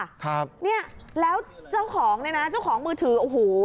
ครับเนี่ยแล้วเจ้าของเนี่ยนะเจ้าของมือถือโอ้โห